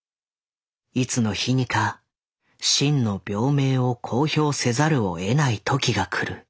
いつの日にか真の病名を公表せざるを得ない時が来る」。